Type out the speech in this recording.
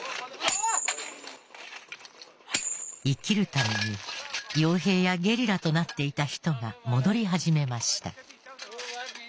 生きるためによう兵やゲリラとなっていた人が戻り始めました。